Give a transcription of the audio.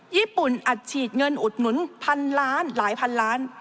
ญี่ปุ่นอัดฉีดเงินอุดหนุนพันล้านหลายพันล้าน